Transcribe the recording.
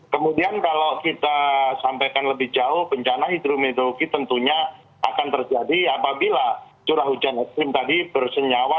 kemudian kalau kita sampaikan lebih jauh bencana hidrometeorologi tentunya akan terjadi apabila curah hujan ekstrim tadi bersenyawa